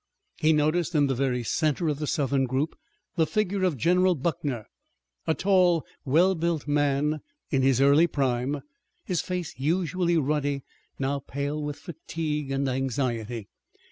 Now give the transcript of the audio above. He noticed in the very center of the Southern group the figure of General Buckner, a tall, well built man in his early prime, his face usually ruddy, now pale with fatigue and anxiety.